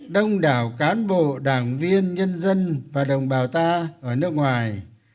đông đảo cán bộ đảng viên nhân dân và đồng bào ta ở nước ngoài